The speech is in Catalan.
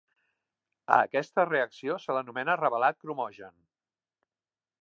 A aquesta reacció se l'anomena revelat cromogen.